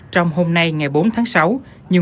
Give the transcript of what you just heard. trong hôm nay ngày bốn tháng sáu